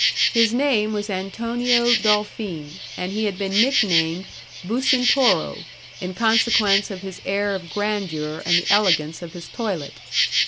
His name was Antonio Dolfin, and he had been nicknamed Bucentoro, in consequence of his air of grandeur and the elegance of his toilet.